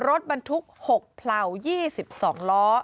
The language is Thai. รถบันทุก๖ผล่าว๒๒ล้อ